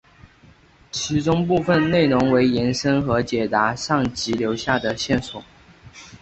其中部分内容为延伸和解答上集留下的线索。